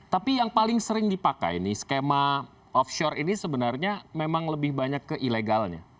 tapi yang paling sering dipakai nih skema offshore ini sebenarnya memang lebih banyak ke ilegalnya